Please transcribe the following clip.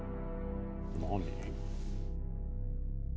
何？